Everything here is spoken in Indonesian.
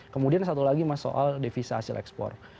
kemudian satu lagi mas soal devisa hasil ekspor